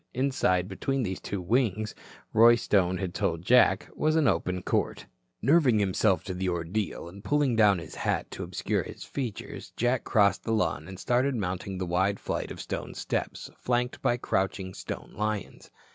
Inside, between these two wings, Roy Stone had told Jack, was an open court. Nerving himself to the ordeal, and pulling down his hat to obscure his features, Jack crossed the lawn and started mounting the wide flight of stone steps flanked by crouching stone lions.